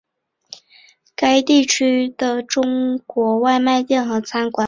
该地区的中国外卖店和餐馆大多从事浙江菜。